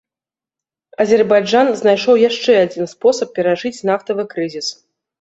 Азербайджан знайшоў яшчэ адзін спосаб перажыць нафтавы крызіс.